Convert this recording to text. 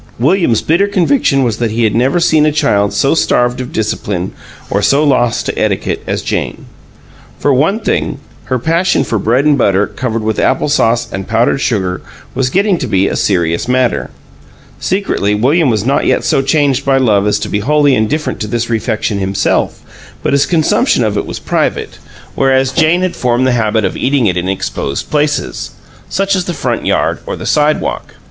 William's bitter conviction was that he had never seen a child so starved of discipline or so lost to etiquette as Jane. For one thing, her passion for bread and butter, covered with apple sauce and powdered sugar, was getting to be a serious matter. Secretly, William was not yet so changed by love as to be wholly indifferent to this refection himself, but his consumption of it was private, whereas Jane had formed the habit of eating it in exposed places such as the front yard or the sidewalk.